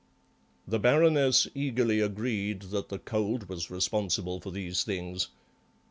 The Baroness eagerly agreed that the cold was responsible for these things.